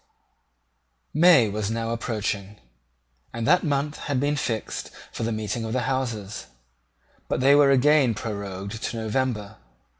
May was now approaching; and that month had been fixed for the meeting of the Houses: but they were again prorogued to November.